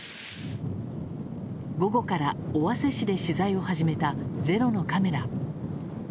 午後から尾鷲市で取材を始めた「ｚｅｒｏ」のカメラ。